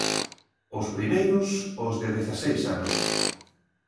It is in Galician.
Os primeiros, os de dezaseis anos.